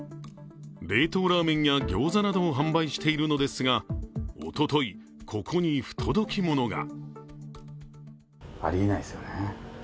冷凍ラーメンやギョーザなどを販売しているのですがおととい、ここに不届き者が。